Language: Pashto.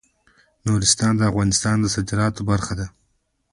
نورستان د افغانستان د صادراتو برخه ده.